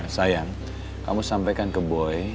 sayang kamu sampaikan ke boy